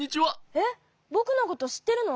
えっぼくのことしってるの？